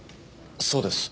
そうです。